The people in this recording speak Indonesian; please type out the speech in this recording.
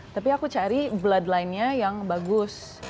tapi aku cari bloodline nya yang bagus